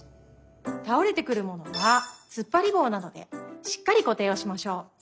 たおれてくるものはつっぱりぼうなどでしっかりこていをしましょう。